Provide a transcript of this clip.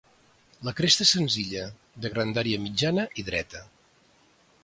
La cresta és senzilla, de grandària mitjana i dreta.